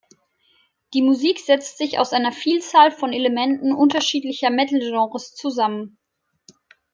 Die Musik setzt sich aus einer Vielzahl von Elementen unterschiedlicher Metal-Genres zusammen.